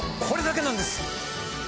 これだけなんです！